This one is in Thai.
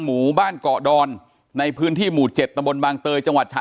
หมู่บ้านเกาะดอนในพื้นที่หมู่๗ตำบลบางเตยจังหวัดฉะ